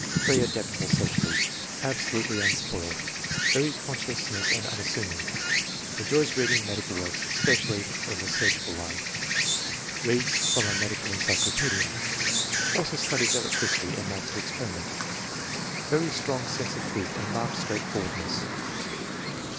" Very adaptable socially. Abso lutely unspoiled. Very conscientious and unassuming. Enjoys reading medical works, especially in the sur gical line. Beads from a medical encyclopaedia. Also studies electricity and likes to experiment. Very strong sense of truth and marked straight forwardness